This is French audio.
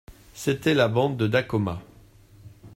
C'était la bande de Dacoma.